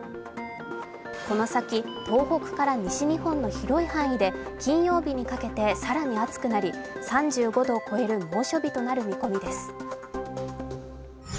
この先、東北から西日本の広い範囲で金曜日にかけて更に暑くなり、３５度を超える猛暑日となる見込みです。